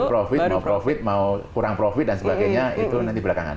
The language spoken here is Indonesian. mau profit mau profit mau kurang profit dan sebagainya itu nanti belakangan